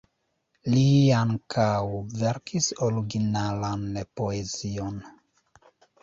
Li ankaŭ verkis originalan poezion.